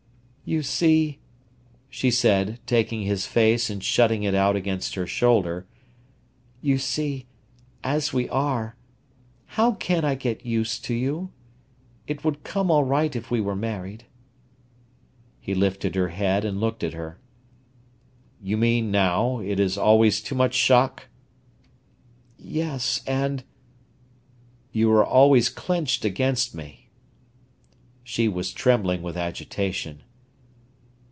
"You see," she said, taking his face and shutting it out against her shoulder—"you see—as we are—how can I get used to you? It would come all right if we were married." He lifted her head, and looked at her. "You mean, now, it is always too much shock?" "Yes—and—" "You are always clenched against me." She was trembling with agitation.